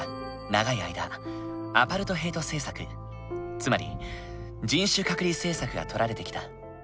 つまり人種隔離政策がとられてきた。